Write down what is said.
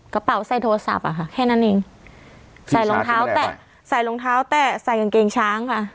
กระเป๋าใส่โทรศัพท์อ่ะค่ะแค่นั้นเองใส่รองเท้าแต่ใส่กางเกงช้างค่ะ